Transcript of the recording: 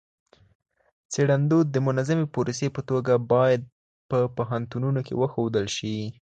څېړندود د منظمي پروسې په توګه باید په پوهنتونونو کي وښودل سي.